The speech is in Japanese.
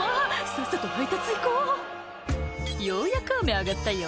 さっさと配達行こう」「ようやく雨上がったよ